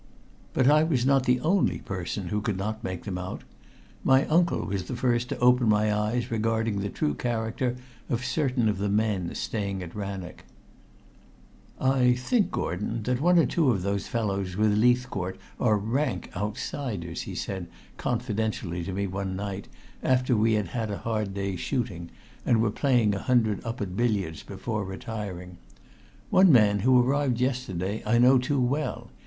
But I was not the only person who could not make them out. My uncle was the first to open my eyes regarding the true character of certain of the men staying at Rannoch. "I think, Gordon, that one or two of those fellows with Leithcourt are rank outsiders," he said confidentially to me one night after we had had a hard day's shooting, and were playing a hundred up at billiards before retiring. "One man, who arrived yesterday, I know too well.